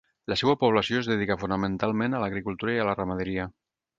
La seua població es dedica fonamentalment a l'agricultura i a la ramaderia.